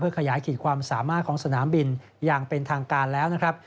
ขยายขีดความสามารถของสนามบินอย่างเป็นทางการแล้วนะครับ